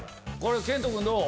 賢人君どう？